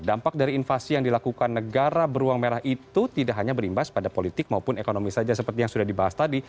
dampak dari invasi yang dilakukan negara beruang merah itu tidak hanya berimbas pada politik maupun ekonomi saja seperti yang sudah dibahas tadi